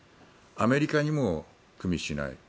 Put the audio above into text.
アメリカにもくみしない